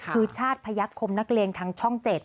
คือชาติพยักษมนักเลงทางช่อง๗